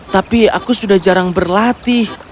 tapi aku sudah jarang berlatih